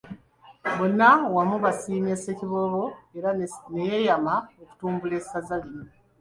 Bonna wamu basiimye Ssekiboobo era ne yeeyama okutumbula essaza lino.